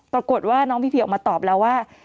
ปรากฏว่าน้องพีพีออกมาตอบแล้วว่า